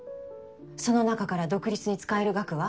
その中から独立に使える額は？